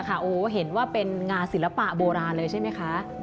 โอ้โหเห็นว่าเป็นงานศิลปะโบราณเลยใช่ไหมคะ